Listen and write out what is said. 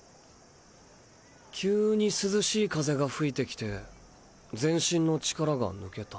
急に涼しい風が吹いてきて全身の力が抜けた。